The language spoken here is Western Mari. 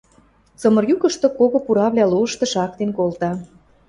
цымыр юкышты кого пуравлӓ лошты шактен колта.